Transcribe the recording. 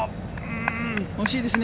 惜しいですね！